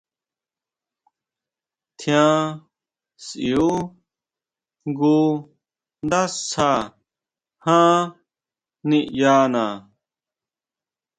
Tjian sʼíu jngu ndásja ján niʼyana.